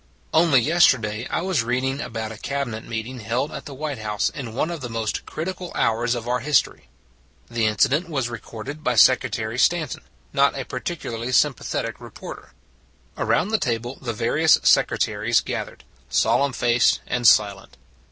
Only yesterday I was reading about a Cabinet meeting held at the White House in one of the most critical hours of our history. The incident was recorded by Secretary Stanton, not a particularly sym pathetic reporter. Around the table the various Secretaries gathered, solemn faced and silent.